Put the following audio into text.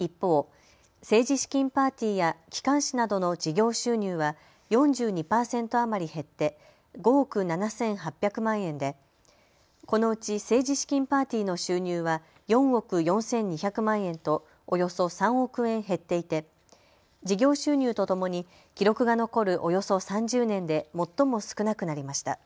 一方、政治資金パーティーや機関誌などの事業収入は４２％余り減って５億７８００万円でこのうち政治資金パーティーの収入は４億４２００万円とおよそ３億円減っていて事業収入とともに記録が残るおよそ３０年で最も少なくなりました。